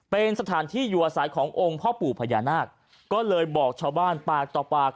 เป็นสถานที่อยู่อาศัยขององค์พ่อปู่พญานาคก็เลยบอกชาวบ้านปากต่อปาก